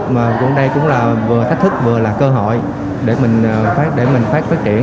mà cũng đây cũng là vừa thách thức vừa là cơ hội để mình phát triển